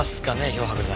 漂白剤。